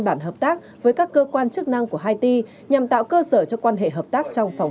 bản hợp tác với các cơ quan chức năng của haiti nhằm tạo cơ sở cho quan hệ hợp tác trong phòng